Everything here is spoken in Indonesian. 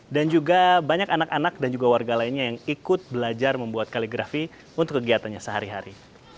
dan juga banyak anak anak dan juga warga lainnya yang ikut belajar membuat kaligrafi untuk kegiatannya sehari hari